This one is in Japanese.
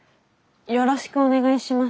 よろしくお願いします。